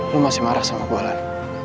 lu masih marah sama gue lan